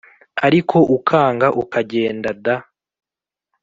ariko ukanga ukagenda da!